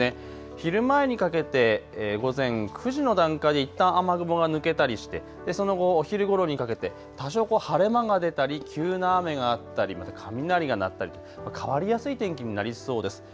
昼前にかけて午前９時の段階でいったん雨雲が抜けたりしてその後お昼ごろにかけて多少晴れ間が出たり急な雨があったりまた雷が鳴ったりと変わりやすい天気になりそうです。